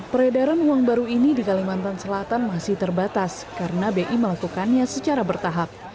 peredaran uang baru ini di kalimantan selatan masih terbatas karena bi melakukannya secara bertahap